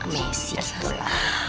mesih gitu lah